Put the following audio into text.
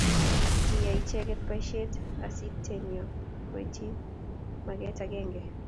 Kiyai icheget boisheet asinetyo koityi makeet agenge